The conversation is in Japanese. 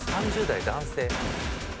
３０代男性。